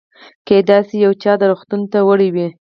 کېدای شوه چې یو چا دې روغتون ته وړی وي.